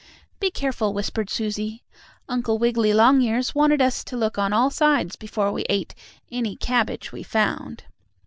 "Be careful," whispered Susie. "Uncle Wiggily Longears warned us to look on all sides before we ate any cabbage we found."